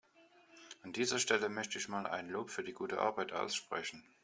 An dieser Stelle möchte ich mal ein Lob für die gute Arbeit aussprechen.